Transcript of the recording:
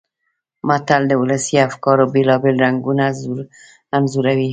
متل د ولسي افکارو بېلابېل رنګونه انځوروي